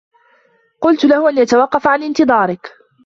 قلت له أن يتوقّف عن انتظارك.